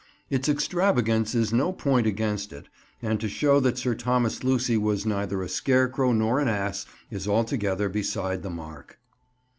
Its extravagance is no point against it, and to show that Sir Thomas Lucy was neither a scarecrow nor an ass is altogether beside the mark.